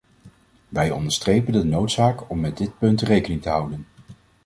Wij onderstrepen de noodzaak om met dit punt rekening te houden.